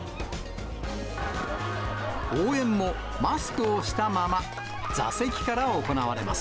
応援もマスクをしたまま、座席から行われます。